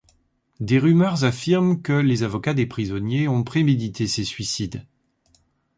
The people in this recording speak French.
Des rumeurs affirment que les avocats des prisonniers ont prémédité ces suicides.